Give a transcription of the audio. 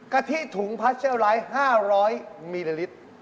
กะทิถุงพาธุเชลลาย๕๐๐มิลลิตร